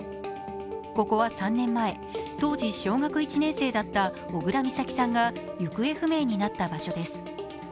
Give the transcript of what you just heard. ここは３年前、当時小学１年生だった小倉美咲さんが行方不明になった場所です。